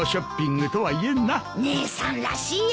姉さんらしいや。